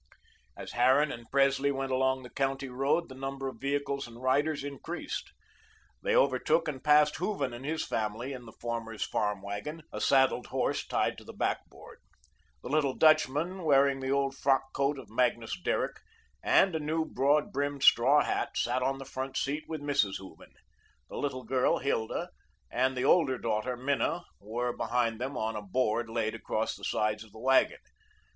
As Harran and Presley went along the county road, the number of vehicles and riders increased. They overtook and passed Hooven and his family in the former's farm wagon, a saddled horse tied to the back board. The little Dutchman, wearing the old frock coat of Magnus Derrick, and a new broad brimmed straw hat, sat on the front seat with Mrs. Hooven. The little girl Hilda, and the older daughter Minna, were behind them on a board laid across the sides of the wagon.